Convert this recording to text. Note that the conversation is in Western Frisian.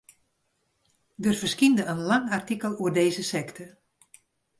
Der ferskynde in lang artikel oer dizze sekte.